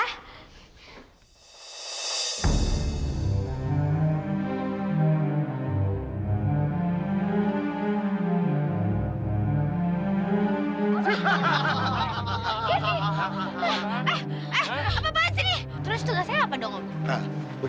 seneng gak bekerja jadi siapa lagi sakit sun